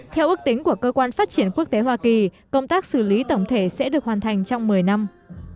theo ước tính của cơ quan phát triển quốc tế hoa kỳ công tác xử lý tổng thể sẽ được hoàn thành trong một mươi năm